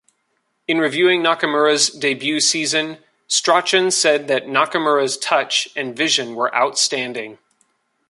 In reviewing Nakamura's debut season, Strachan said that Nakamura's touch and vision were outstanding...